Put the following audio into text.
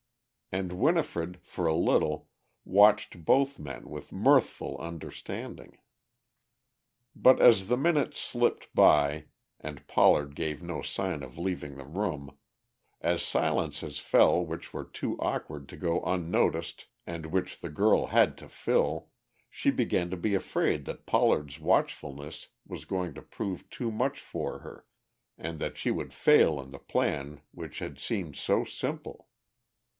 And Winifred, for a little, watched both men with mirthful understanding. But as the minutes slipped by and Pollard gave no sign of leaving the room, as silences fell which were too awkward to go unnoticed and which the girl had to fill, she began to be afraid that Pollard's watchfulness was going to prove too much for her and that she would fail in the plan which had seemed so simple.